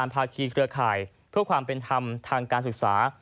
เพื่อความเป็นธรรมทางการศึกษา